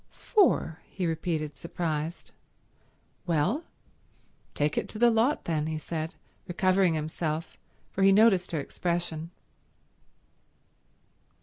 "Four?" he repeated surprised. "Well, take it to the lot then," he said, recovering himself, for he noticed her expression.